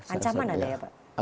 ancaman ada ya pak